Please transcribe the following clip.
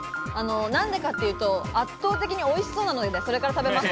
なんでかというと圧倒的においしそうなので、それから食べます。